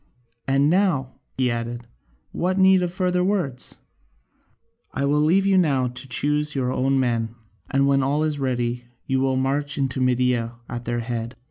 And now," he added, "what need of further words? I will leave you now to choose your own men, and when all is ready you will march into Media at their head.